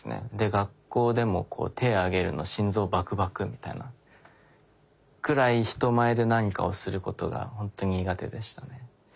学校でも手挙げるの心臓バクバクみたいなくらい人前で何かをすることが本当に苦手でしたね。